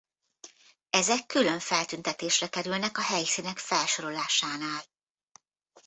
Ezek külön feltüntetésre kerülnek a helyszínek felsorolásánál.